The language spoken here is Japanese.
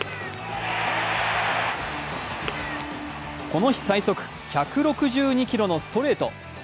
この日最速１６２キロのストレート。